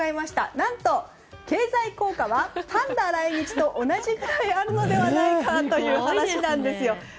何と、経済効果はパンダ来日と同じくらいあるのではないかという話なんですよ。